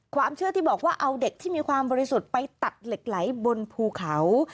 ความเชื่อที่บอกว่าเอาเด็กที่มีความบริสุทธิ์ไปตัดเหล็กไหลบนภูเขา